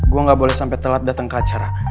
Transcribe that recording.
gue gak boleh sampai telat datang ke acara